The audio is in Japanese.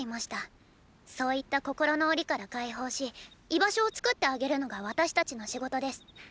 そういった心の檻から解放し居場所を作ってあげるのが私たちの仕事です。